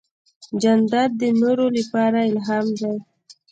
جانداد د نورو لپاره الهام دی.